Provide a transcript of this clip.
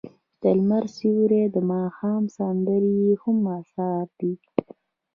د لمر سیوری او د ماښام سندرې یې هم اثار دي.